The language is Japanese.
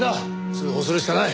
通報するしかない。